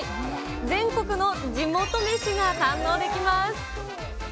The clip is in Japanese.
全国の地元飯が堪能できます。